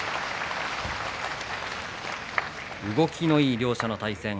動きのいい両者の対戦。